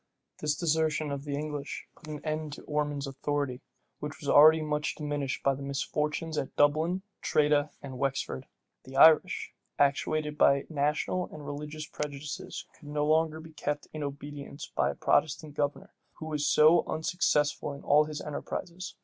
This desertion of the English put an end to Ormond's authority, which was already much diminished by the misfortunes at Dublin, Tredah, and Wexford. The Irish, actuated by national and religious prejudices, could no longer be kept in obedience by a Protestant governor, who was so unsuccessful in all his enterprises.